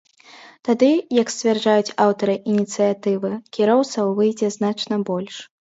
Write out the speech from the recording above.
Тады, як сцвярджаюць аўтары ініцыятывы, кіроўцаў выйдзе значна больш.